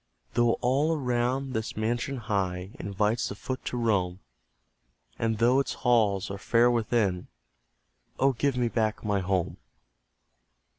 Though all around this mansion high Invites the foot to roam, And though its halls are fair within Oh, give me back my HOME!